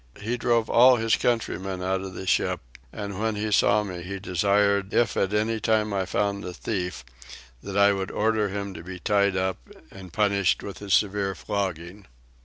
He drove all his countrymen out of the ship; and when he saw me he desired if at any time I found a thief that I would order him to be tied up and punished with a severe flogging.